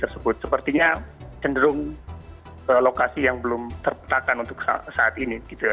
sepertinya cenderung lokasi yang belum terpetakan untuk saat ini